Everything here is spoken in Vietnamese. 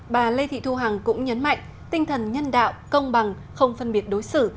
bà lê thị thu hằng cũng nhấn mạnh tinh thần nhân đạo công bằng không phân biệt đối xử